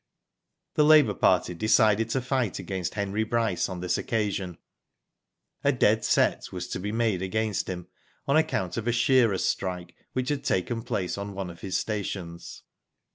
The labour party decided to fight against Henrj Bryce on this occasion. A dead set was to be made against him, on account of a shearers' strike which had taken place on one of his stations.